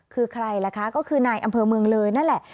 คือใครล่ะคะก็คือนายอำเภอเมืองเลยนั่นแหละ